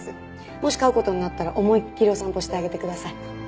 もし飼う事になったら思いっきりお散歩してあげてください。